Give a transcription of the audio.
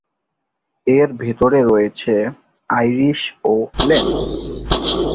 এর ভিতরে রয়েছে আইরিশ ও লেন্স।